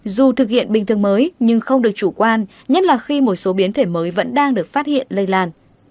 dù thực hiện bình thường mới nhưng không được chủ quan nhất là khi một số biến thể mới vẫn đang được phát hiện lây lan